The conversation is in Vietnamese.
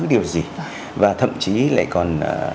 điều gì và thậm chí lại còn